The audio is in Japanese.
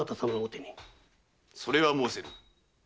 それは申せぬ。